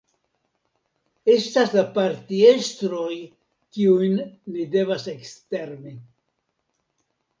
Estas la partiestroj, kiujn ni devas ekstermi.